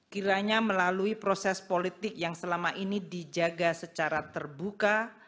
kiranya melalui proses politik yang selama ini dijaga secara terbuka